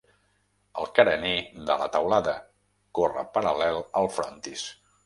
El carener de la teulada corre paral·lel al frontis.